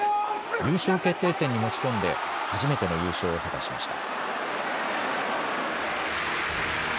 優勝決定戦に持ち込んで初めての優勝を果たしました。